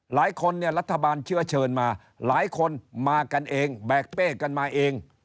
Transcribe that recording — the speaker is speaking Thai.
หลายคนเนี่ยรัฐบาลเชื้อเชิญมาหลายคนมากันเองแบกเป้กันมาเอง